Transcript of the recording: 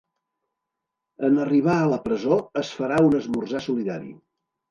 En arribar a la presó es farà un esmorzar solidari.